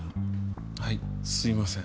はいすいません。